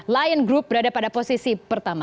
lion group berada pada posisi pertama